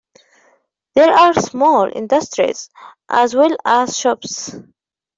There are small industries as well as shops.